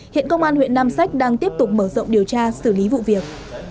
hiện công an huyện nam sách đang tiếp tục mở rộng điều tra xử lý vụ việc